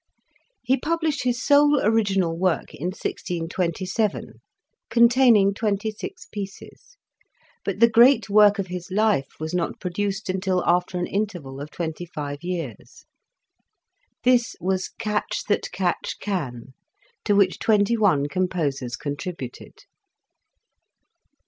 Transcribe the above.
He published his sole original work in 1627, containing twenty six pieces, but the great work of his life was not produced until after an interval of twenty five years. This was, "Catch that catch can," to which twenty one composers contributed.